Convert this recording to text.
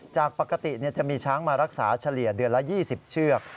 จากปกติจะมีช้างมารักษาเฉลี่ยเดือนละ๒๐เชือก